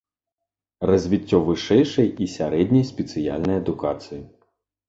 Развіццё вышэйшай і сярэдняй спецыяльнай адукацыі.